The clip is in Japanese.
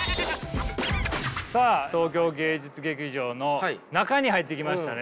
さあ東京芸術劇場の中に入ってきましたね。